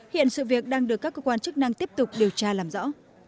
hiện sự việc đang được các cơ quan chức năng tiếp tục điều tra làm rõ